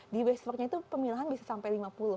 di ways for change itu pemilahan bisa sampai lima puluh